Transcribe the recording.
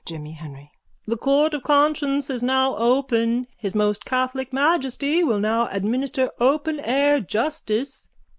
_ JIMMY HENRY: The Court of Conscience is now open. His Most Catholic Majesty will now administer open air justice.